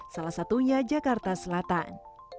salah satunya jakarta selatan